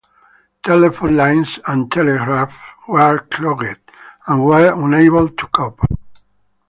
Telephone lines and telegraphs were clogged and were unable to cope.